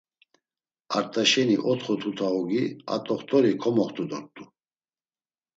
Art̆aşeni otxo tuta ogi a t̆oxt̆ori komoxt̆u dort̆u.